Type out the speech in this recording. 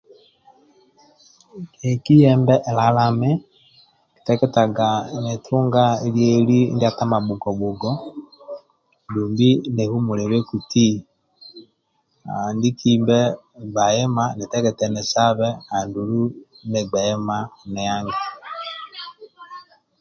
Kekiyembe lalami nkiteketaga nitunga lieli ndia tamabhugobhugo dumbi nihumulebe kuti haa ndie kimbe gba ima nitekete nisabe andulu nigbe ima ni ange